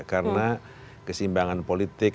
karena keseimbangan politik